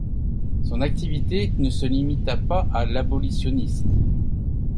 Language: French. Son activité ne se limita pas à l'abolitionniste.